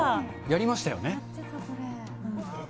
やりましたよね？